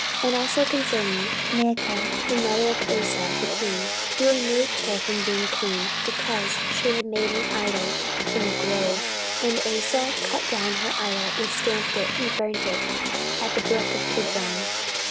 14:015:016 And also concerning Maachah the mother of Asa the king, he removed her from being queen, because she had made an idol in a grove: and Asa cut down her idol, and stamped it, and burnt it at the brook Kidron.